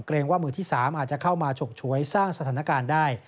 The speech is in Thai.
ว่ามือที่๓อาจจะเข้ามาฉกฉวยสร้างสถานการณ์ได้